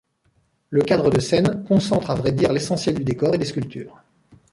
Le cadre de scène concentre à vrai dire l'essentiel du décor et des sculptures.